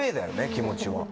気持ちは。